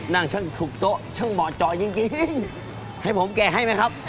นั่งช่างถูกโต๊ะเช่นหมอจอยจริงให้ผมแก่ให้ไหมครับ